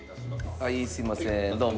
はいすいませんどうも。